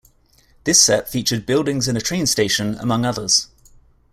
This set featured buildings and a train station, among others.